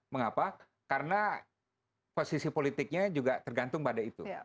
mengapa karena posisi politiknya juga tergantung pada itu